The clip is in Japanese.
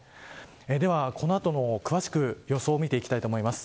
では、詳しくこの後の予想を見ていきたいと思います。